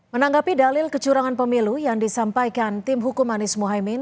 menanggapi dalil kecurangan pemilu yang disampaikan tim hukumanis muhyemmin